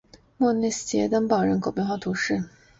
莫内斯捷旁圣保罗人口变化图示